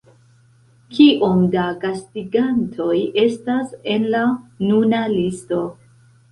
Kiom da gastigantoj estas en la nuna listo?